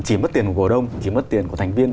chỉ mất tiền của cổ đông chỉ mất tiền của thành viên